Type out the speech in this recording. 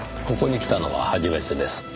ここに来たのは初めてです。